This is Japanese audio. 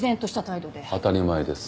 当たり前です。